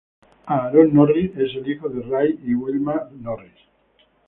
Aaron Norris es el hijo de Ray y Wilma Norris.